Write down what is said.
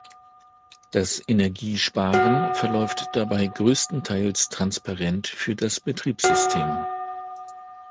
Das Energiesparen verläuft dabei größtenteils transparent für das Betriebssystem.